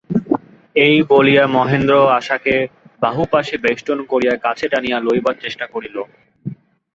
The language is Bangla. এই বলিয়া মহেন্দ্র আশাকে বাহুপাশে বেষ্টন করিয়া কাছে টানিয়া লইবার চেষ্টা করিল।